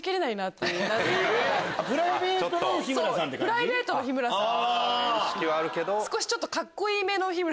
プライベートの日村さん。